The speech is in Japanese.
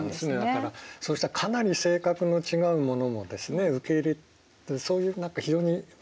だからそうしたかなり性格の違うものもですね受け入れるそういう何か非常に柔軟なね